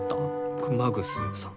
熊楠さん。